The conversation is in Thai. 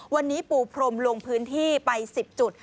วันนี้ปูพรมลงพื้นที่ไป๑๐จุด